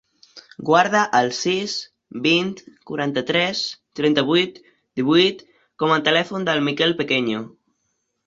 Guarda el sis, vint, quaranta-tres, trenta-vuit, divuit com a telèfon del Miquel Pequeño.